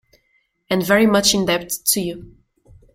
And very much indebted to you.